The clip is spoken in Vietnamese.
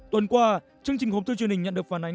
tuần qua chương trình hộp thư truyền hình nhận được phản ánh